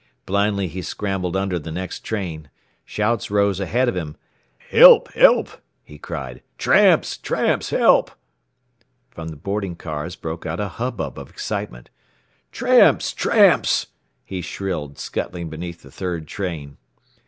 Blindly he scrambled under the next train. Shouts rose ahead of him. "Help, help!" he cried. "Tramps! Tramps! Help!" From the boarding cars broke out a hubbub of excitement. "Tramps! Tramps!" he shrilled, scuttling beneath the third train.